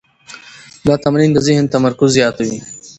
دا تمرین د ذهن تمرکز زیاتوي.